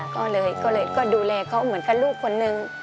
ก็เลยก็ดูแลเขาเหมือนกับลูกคนนึง